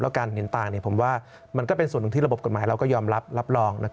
การเห็นต่างผมว่ามันก็เป็นส่วนหนึ่งที่ระบบกฎหมายเราก็ยอมรับรับรอง